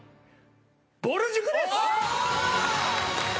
ぼる塾です。